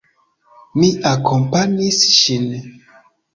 Mi akompanis ŝin.